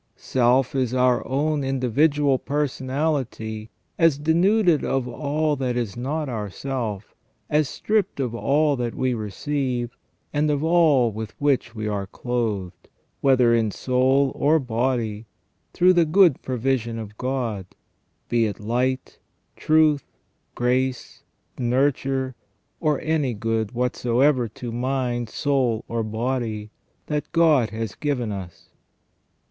Self is our own individual personality as denuded of all that is not ourself, as stripped of all that we receive, and of all with which we are clothed, whether in soul or body, through the good provision of God, be it light, truth, grace, nurture, or any good whatsoever to mind, soul, or body, that God has given us.